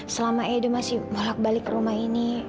selama edo masih bolak balik ke rumah ini